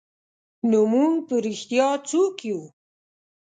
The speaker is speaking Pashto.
نو موږ په رښتیا څوک یو؟